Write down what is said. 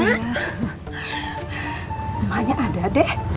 emaknya ada deh